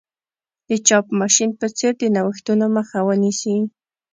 د چاپ ماشین په څېر د نوښتونو مخه ونیسي.